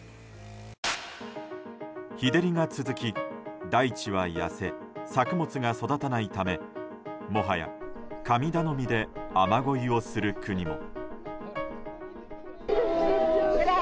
日照りが続き、大地は痩せ作物が育たないためもはや神頼みで雨ごいをする国も。